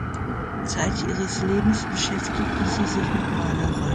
Zeit ihres Lebens beschäftigte sie sich mit Malerei.